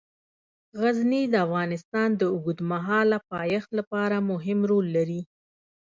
غزني د افغانستان د اوږدمهاله پایښت لپاره مهم رول لري.